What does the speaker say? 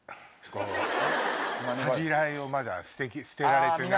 恥じらいをまだ捨てられてない。